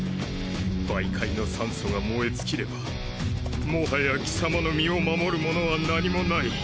媒介の酸素が燃え尽きればもはや貴様の身を守るものは何もない。